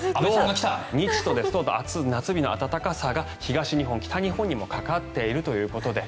土、日と夏日の暖かさが東日本、北日本にもかかっているということで。